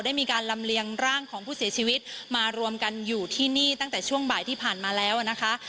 มีการลำเลียงร่างของผู้เสียชีวิตมารวมกันอยู่ที่นี่ตั้งแต่ช่วงบ่ายที่ผ่านมาแล้วนะคะ